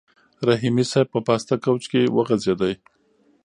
رحیمي صیب په پاسته کوچ کې وغځېد.